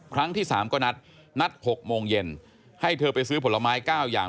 ครั้งที่สามก็นัดนัดหกโมงเย็นให้เธอไปซื้อผลไม้เก้าอย่าง